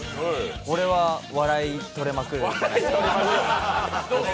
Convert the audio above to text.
これは笑い、とれまくるんじゃないですか。